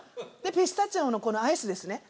ピスタチオのこのアイスですね。